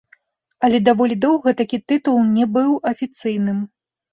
Але даволі доўга такі тытул не быў афіцыйным.